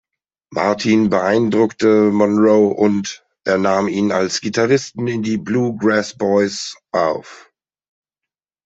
Martin beeindruckte Monroe und er nahm ihn als Gitarristen in die Bluegrass Boys auf.